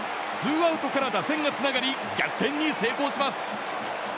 ツーアウトから打線がつながり逆転が成功します。